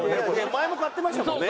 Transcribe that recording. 前も買ってましたもんね。